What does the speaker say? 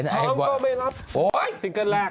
แต่รูปคนโตเรียนจบแล้ว